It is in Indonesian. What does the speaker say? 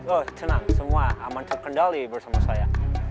oh senang semua aman terkendali bersama saya